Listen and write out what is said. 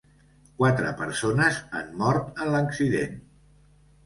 Quatre persones han mort en l’accident.